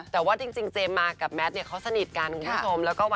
แต่ว่าจริงเจมส์มากับแมทเนี่ยเขาสนิทกันคุณผู้ชม